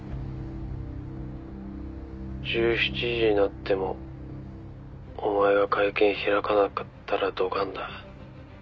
「１７時になってもお前が会見開かなかったらドカンだ」